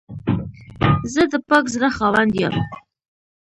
زه د پاک زړه خاوند یم.